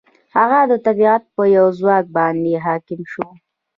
هغه د طبیعت په یو ځواک باندې حاکم شو.